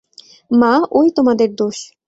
মা, ঐ তোমাদের দোষ।